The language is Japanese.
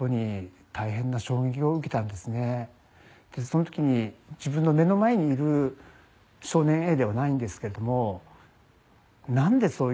その時に自分の目の前にいる少年Ａではないんですけども。